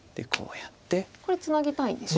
これツナぎたいですね。